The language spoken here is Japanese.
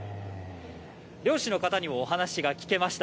漁師の方にもお話が聞けました。